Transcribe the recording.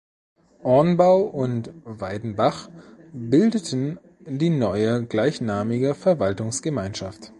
Ornbau und Weidenbach bildeten die neue gleichnamige Verwaltungsgemeinschaft.